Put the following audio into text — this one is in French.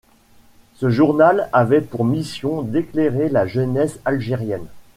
Ce journal avait pour mission d'éclairer la jeunesse algérienne.